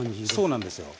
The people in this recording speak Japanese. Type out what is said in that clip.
そうなんですよ。